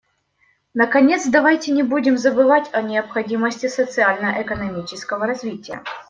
Наконец, давайте не будем забывать о необходимости социально-экономического развития.